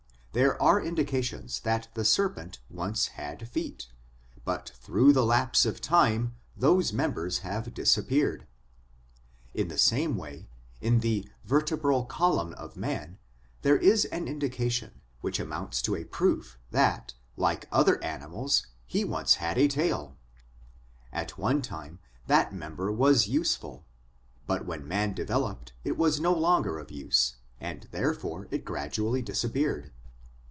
There are in dications that the serpent once had feet ; but through the lapse of time those members have disappeared. In the same way, in the vertebral column of man there is an indication which amounts to a proof that, like other animals, he once had a tail At one time that member was useful, but when man developed it was no longer of use, and therefore it gradually disappeared.